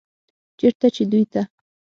چرته چې دوي ته